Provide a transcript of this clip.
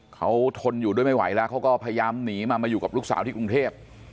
เขาทนอยู่ด้วยไม่ไหวแล้วเขาก็พยายามหนีมามาอยู่กับลูกสาวที่กรุงเทพ